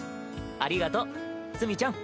ありがとう墨ちゃん。